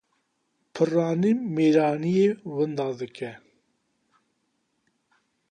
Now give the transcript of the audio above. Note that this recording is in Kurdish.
Piranî mêranîyê winda dike